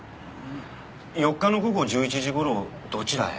４日の午後１１時ごろどちらへ？